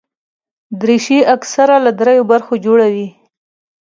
دریشي اکثره له درېو برخو جوړه وي.